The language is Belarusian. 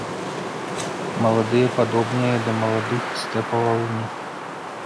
Маладыя падобныя да маладых стэпавага луня.